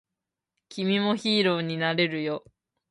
君もヒーローになれるよ